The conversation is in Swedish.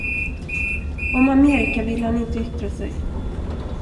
Om Amerika ville han inte yttra sig.